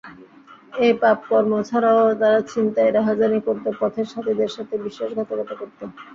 এ পাপকর্ম ছাড়াও তারা ছিনতাই, রাহাজানি করত, পথের সাথীদের সাথে বিশ্বাসঘাতকতা করত।